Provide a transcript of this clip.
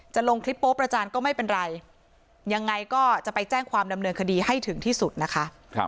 ลงคลิปโป๊ประจานก็ไม่เป็นไรยังไงก็จะไปแจ้งความดำเนินคดีให้ถึงที่สุดนะคะ